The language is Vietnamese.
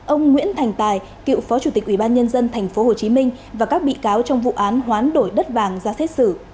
ông nguyễn thành tài cựu phó chủ tịch ủy ban nhân dân tp hcm và các bị cáo trong vụ án hoán đổi đất vàng ra xét xử